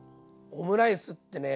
オムライスってね